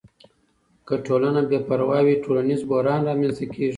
که ټولنه بې پروا وي، ټولنیز بحران رامنځته کیږي.